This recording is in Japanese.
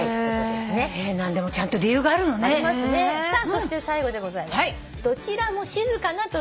そして最後でございます。